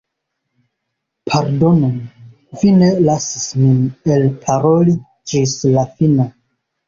Pardonu, vi ne lasis min elparoli ĝis la fino.